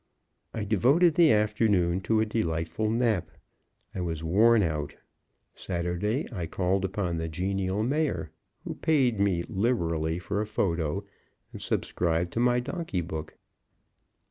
I devoted the afternoon to a delightful nap; I was worn out. Saturday I called upon the genial Mayor, who paid me liberally for a photo and subscribed to my donkey book.